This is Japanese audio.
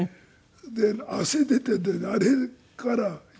で「汗出て」ってあれから有名。